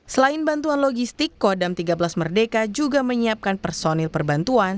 selain bantuan logistik kodam tiga belas merdeka juga menyiapkan personil perbantuan